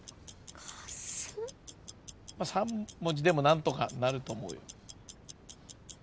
３文字でも何とかなると思うよ。